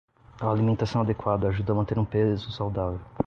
A alimentação adequada ajuda a manter um peso saudável.